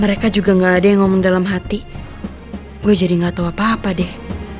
mereka juga gak ada yang ngomong dalam hati gue jadi gak tau apa apa deh